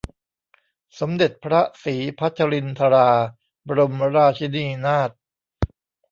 สมเด็จพระศรีพัชรินทราบรมราชินีนาถ